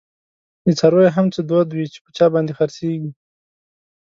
دڅارویو هم څه دود وی، چی په چا باندی خرڅیږی